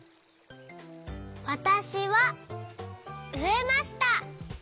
わたしはうえました。